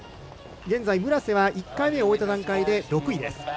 現在、村瀬は１回目を終えた段階で６位です。